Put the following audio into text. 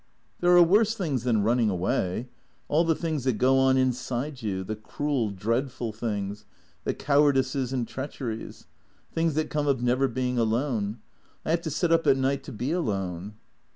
" There are worse things than running away. All the things that go on inside you, the cruel, dreadful things ; the cowardices and treacheries. Things that come of never being alone. I have to sit up at night to be alone."